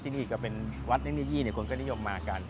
ที่นี่ก็เป็นวัดในนิยีเนี่ยคนก็นิยมมากัน